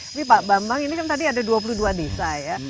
tapi pak bambang ini kan tadi ada dua puluh dua desa ya